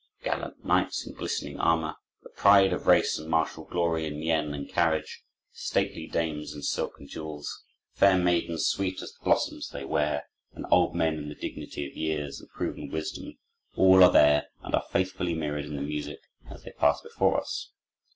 Gallant knights in glistening armor, the pride of race and martial glory in mien and carriage, stately dames in silk and jewels, fair maidens sweet as the blossoms they wear, and old men in the dignity of years and proven wisdom—all are there and are faithfully mirrored in the music as they pass before us.